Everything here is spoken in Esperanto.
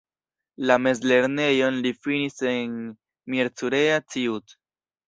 La mezlernejon li finis en Miercurea Ciuc.